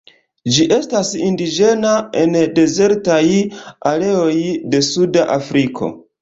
Ĝi estas indiĝena en dezertaj areoj de suda Afriko.